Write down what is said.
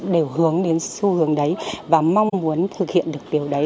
đều hướng đến xu hướng đấy và mong muốn thực hiện được điều đấy